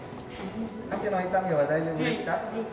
足の痛みは大丈夫ですか？